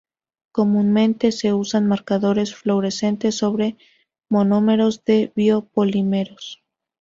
Comúnmente se usan marcadores fluorescentes sobre monómeros de bio-polimeros.